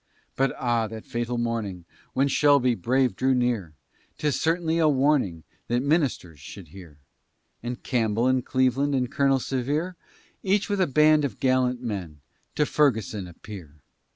But ah! that fatal morning, When Shelby brave drew near! 'Tis certainly a warning That ministers should hear. And Campbell, and Cleveland, And Colonel Sevier, Each with a band of gallant men, To Ferguson appear.